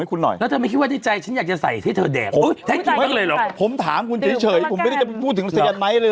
ให้คุณหน่อยแล้วจะไม่คิดว่าใจ